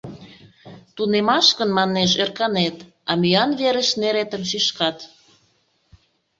Тунемаш гын, манеш, ӧрканет, а мӱян верыш неретым шӱшкат...